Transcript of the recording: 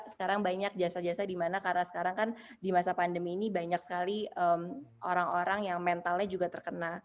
sekarang banyak jasa jasa dimana karena sekarang kan di masa pandemi ini banyak sekali orang orang yang mentalnya juga terkena